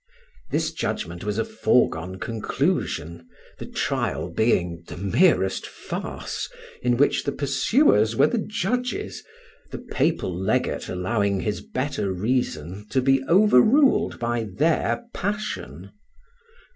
This judgment was a foregone conclusion, the trial being the merest farce, in which the pursuers were the judges, the Papal legate allowing his better reason to be overruled by their passion.